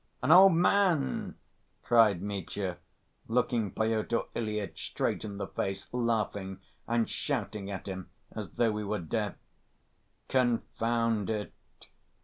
"An old man!" cried Mitya, looking Pyotr Ilyitch straight in the face, laughing, and shouting at him as though he were deaf. "Confound it!